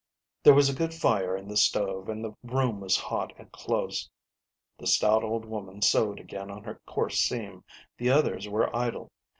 There was a good fire in the stove, and the room was hot and close. The stout old woman sewed again on her coarse seam, the others were idle.